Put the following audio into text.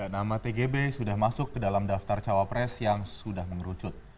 nama tgb sudah masuk ke dalam daftar cawapres yang sudah mengerucut